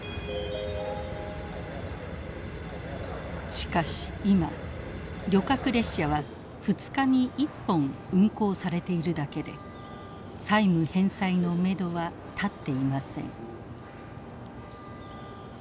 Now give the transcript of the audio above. しかし今旅客列車は２日に１本運行されているだけで債務返済のめどは立っていません。